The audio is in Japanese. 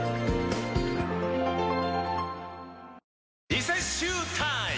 リセッシュータイム！